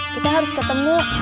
kita harus ketemu